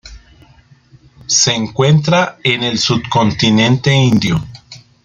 Se encuentra en el subcontinente indio.